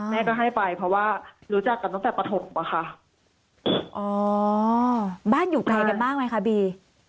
แม่ก็ให้ไปเพราะว่ารู้จักกันตั้งแต่ปฐมอะค่ะอ๋อบ้านอยู่ไกลกันมากไหมคะบี